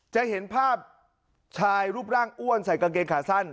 จะเห็นภาพชายรูปร่างอ้วนใส่กางเกงขาสั้น